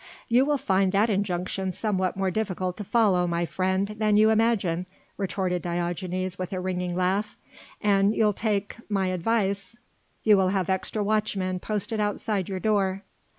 "You will find that injunction somewhat more difficult to follow, my friend, than you imagine," retorted Diogenes with a ringing laugh, "an you'll take my advice you will have extra watchmen posted outside your door."